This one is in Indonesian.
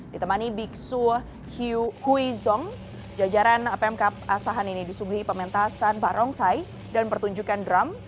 ditemani biksu huizong jajaran pemkap asahan ini disuguhi pementasan barongsai dan pertunjukan drum